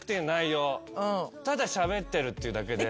ただしゃべってるっていうだけで。